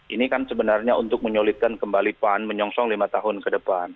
ini kan sebenarnya untuk menyulitkan kembali pan menyongsong lima tahun ke depan